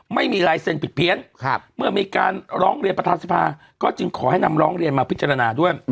ไม่มีลายเซ็นผิดเพี้ยนเมื่อมีการร้องเรียนประธานสภาก็จึงขอให้นำร้องเรียนมาพิจารณาด้วย